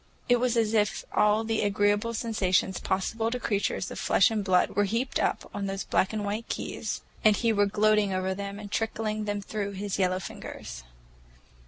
It was as if all the agreeable sensations possible to creatures of flesh and blood were heaped up on those black and white keys, and he were gloating over them and trickling them through his yellow fingers.